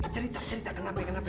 cerita cerita kenapa kenapa